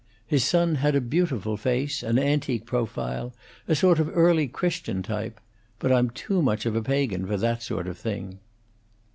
His son had a beautiful face an antique profile; a sort of early Christian type; but I'm too much of a pagan for that sort of thing."